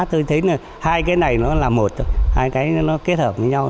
tôi thấy là hai cái này nó là một hai cái nó kết hợp với nhau